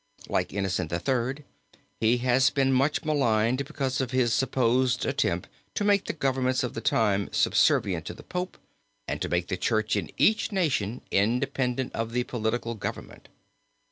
Like Innocent III. he has been much maligned because of his supposed attempt to make the governments of the time subservient to the Pope and to make the Church in each nation independent of the political government.